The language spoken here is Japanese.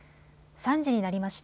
３時になりました。